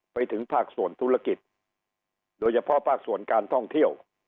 ไปถึงภาคส่วนธุรกิจโดยเฉพาะภาคส่วนการท่องเที่ยว